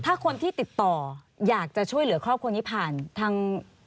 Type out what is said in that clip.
เด็กดีมั้ยน่ารักเหมือนกันไหม